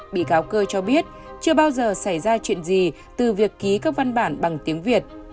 bị cáo cơ cho biết chưa bao giờ xảy ra chuyện gì từ việc ký các văn bản bằng tiếng việt